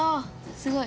すごい。